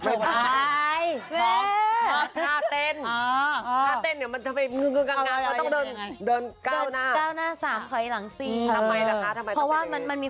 พร้อมทุบหน้าใหม่ให้สิ